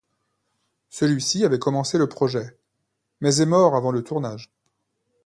Celui-ci avait commencé le projet, mais est mort avant le tournage.